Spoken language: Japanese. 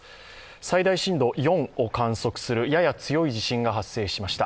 最大震度４を観測する、やや強い地震が発生しました。